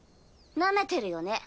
なめてるよね。